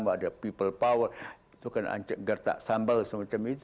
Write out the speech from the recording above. ada people power itu kan gertak sambal semacam itu